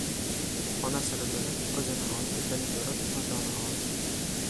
• Onasini bilib, qizini ol, ipini ko‘rib matoni ol.